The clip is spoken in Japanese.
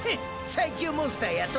最強モンスターやと？